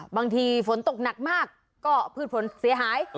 ฝนตกหนักมากก็พืชผลเสียหาย